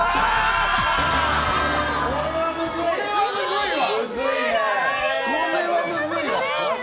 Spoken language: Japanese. これはむずいわ。